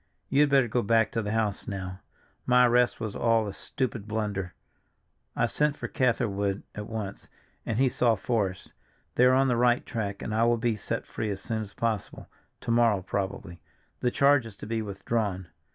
"You had better go back to the house now. My arrest was all a stupid blunder; I sent for Catherwood at once, and he saw Forrest. They are on the right track and I will be set free as soon as possible, to morrow, probably; the charge is to be withdrawn.